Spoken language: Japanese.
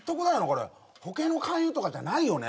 これ保険の勧誘とかじゃないよね？